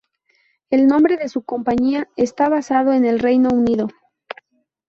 El nombre de su compañía está basado en el Reino Unido.